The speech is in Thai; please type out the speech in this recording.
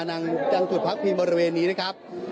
นางจังสุดพรรคพีมบริเวณนี้นะครับ